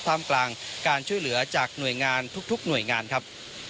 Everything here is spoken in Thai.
มกลางการช่วยเหลือจากหน่วยงานทุกหน่วยงานครับ